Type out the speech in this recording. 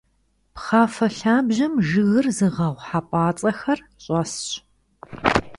Пхъафэ лъабжьэм жыгыр зыгъэгъу хьэпӀацӀэхэр щӀэсщ.